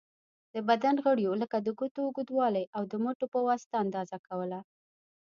د بدن غړیو لکه د ګوتو اوږوالی، او د مټو په واسطه اندازه کوله.